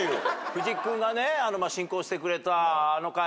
藤木君がね進行してくれた。